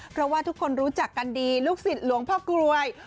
เพราะว่าทุกคนรู้จักกันดีลูกศิษย์หลวงพ่อกรวย